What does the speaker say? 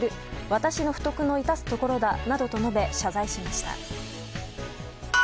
私の不徳の致すところだなどと述べ、謝罪しました。